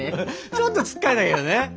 ちょっとつっかえたけどね。